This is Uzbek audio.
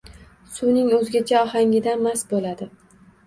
Suvining oʻzgacha ohangidan mast boʻladi.